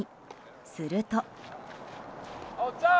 すると。